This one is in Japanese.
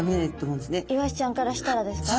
イワシちゃんからしたらですか？